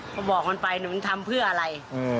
พอบอกมันไปมันทำเพื่ออะไร